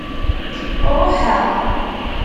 Ṛuḥeɣ.